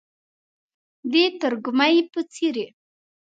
د ترږمۍ په څیرې،